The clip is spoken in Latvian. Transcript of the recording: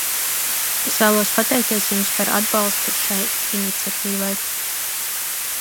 Es vēlos pateikties jums par atbalstu šai iniciatīvai.